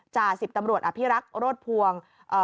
จะเสียความกลัวอภิรักษ์รถภวง